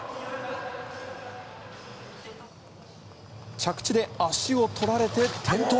着地で足を取られて、転倒！